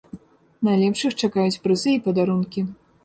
Найлепшых чакаюць прызы і падарункі.